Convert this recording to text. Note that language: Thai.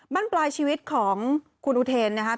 บ้านปลายชีวิตของคุณอุเทนนะครับ